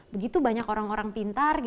begitu banyak orang orang pintar